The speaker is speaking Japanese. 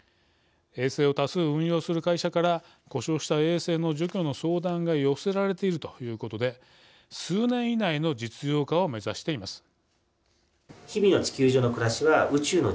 衛星を多数運用する会社から故障した衛星の除去の相談が寄せられているということで数年以内の実用化を目指しています。